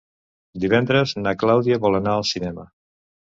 Divendres na Clàudia vol anar al cinema.